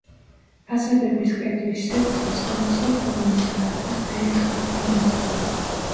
ფასადების კედლის სიბრტყე სხვადასხვა ფორმისა და ფერის ქვითაა ნაწყობი.